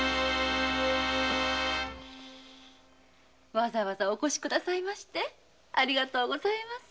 わざわざお越し下さいましてありがとうございます。